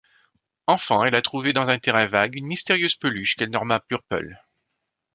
Enfant, elle a trouvé dans un terrain vague une mystérieuse peluche qu'elle nomma Purple.